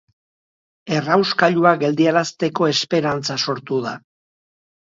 Errauskailua geldiarazteko esperantza sortu da.